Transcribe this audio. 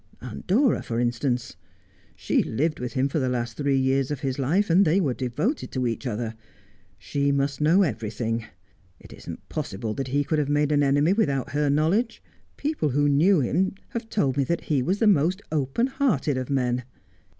Aunt Dora, for instance. She lived with him for the last three years of his life, and they were devoted to each other. She must know every thing. It isn't possible that he could have made an enemy with out her knowledge. People who knew him have told me that he was the most open hearted of men.'